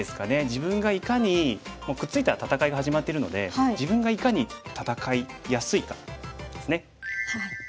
自分がいかにくっついたら戦いが始まってるので自分がいかに戦いやすいかですね。